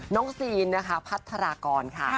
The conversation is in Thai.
น้องซีนพัฒนากรค่ะ